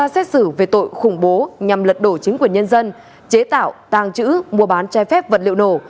xét xử về tội khủng bố nhằm lật đổ chính quyền nhân dân chế tạo tàng trữ mua bán che phép vật liệu nổ